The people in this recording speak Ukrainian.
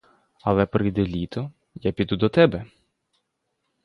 Але прийде літо, я піду до тебе!